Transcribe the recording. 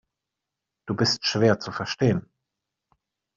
Du bist schwer zu verstehen.